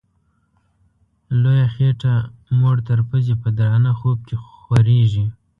لویه خېټه موړ تر پزي په درانه خوب کي خوریږي